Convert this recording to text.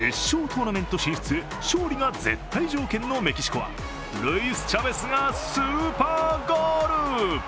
決勝トーナメント進出勝利が絶対条件のメキシコはルイス・チャベスがスーパーゴール。